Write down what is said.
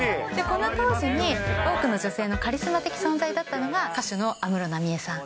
この当時に、多くの女性のカリスマ的存在だったのが、歌手の安室奈美恵さん。